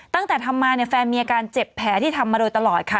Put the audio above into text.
ตั้งแต่ทำมาเนี่ยแฟนมีอาการเจ็บแผลที่ทำมาโดยตลอดค่ะ